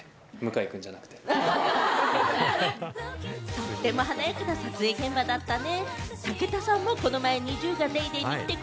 とっても華やかな撮影現場だったね。